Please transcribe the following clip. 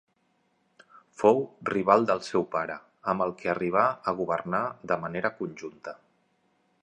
Fou rival del seu pare, amb el que arribà a governar de manera conjunta.